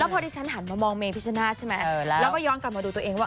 แล้วพอที่ฉันหันมามองเมย์พิชชนาสใช่ไหมแล้วก็ย้อนกลับมาดูตัวเองว่า